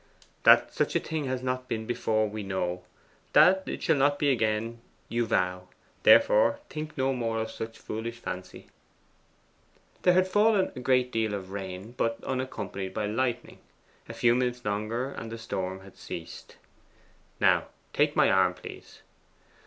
'That such a thing has not been before, we know. That it shall not be again, you vow. Therefore think no more of such a foolish fancy.' There had fallen a great deal of rain, but unaccompanied by lightning. A few minutes longer, and the storm had ceased. 'Now, take my arm, please.